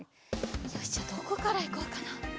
よしじゃあどこからいこうかな？